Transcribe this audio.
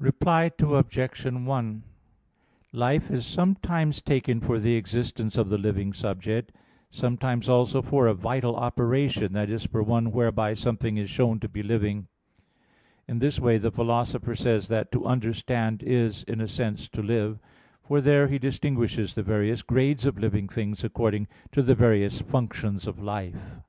Reply Obj. 1: Life is sometimes taken for the existence of the living subject: sometimes also for a vital operation, that is, for one whereby something is shown to be living. In this way the Philosopher says that to understand is, in a sense, to live: for there he distinguishes the various grades of living things according to the various functions of life.